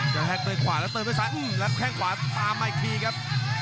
จะแฮงไปขวาแล้วเติมไปซ้ายแล้วแฮงขวาตามมาอีกทีครับ